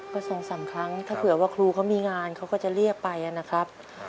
ประสงค์๓ครั้งถ้าเผื่อว่าครูเขามีงานเขาก็จะเรียกไปนะครับ